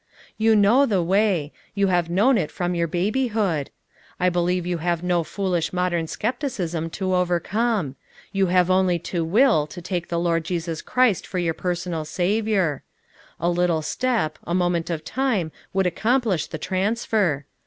"You know the way, you have known it from your babyhood; I believe you have no foolish modern skepticism to overcome; you have only to will to take the Lord Jesus Christ for your personal Saviour, A little step, a moment of time would accomplish the transfer.